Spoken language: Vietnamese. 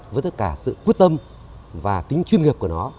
với tất cả sự quyết tâm và tính chuyên nghiệp của nó